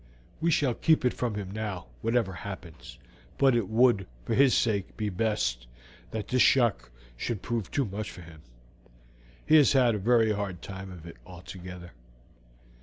We shall keep it from him now, whatever happens; but it would, for his sake, be best that this shock should prove too much for him. He has had a very hard time of it altogether."